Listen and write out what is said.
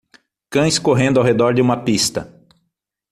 Cães correndo ao redor de uma pista